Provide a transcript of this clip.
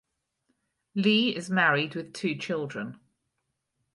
Lee is married with two children.